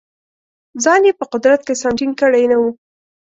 ځان یې په قدرت کې سم ټینګ کړی نه وو.